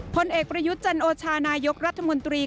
ผลเอกประยุทธ์จันโอชานายกรัฐมนตรี